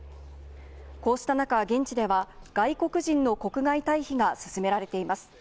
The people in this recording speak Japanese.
こうした中、現地では外国人の国外退避が進められています。